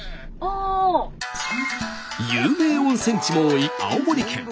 有名温泉地も多い青森県。